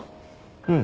うん。